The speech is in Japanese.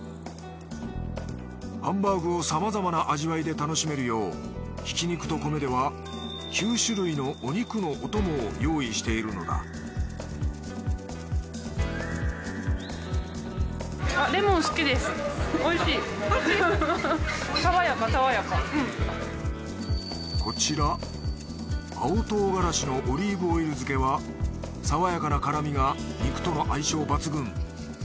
ハンバーグをさまざまな味わいで楽しめるよう挽肉と米では９種類のお肉のお供を用意しているのだこちら青唐辛子のオリーブオイル漬けはさわやかな辛みが肉との相性抜群。